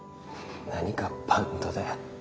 何がバンドだよ。